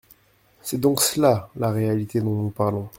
C’est donc cela, la réalité dont nous parlons.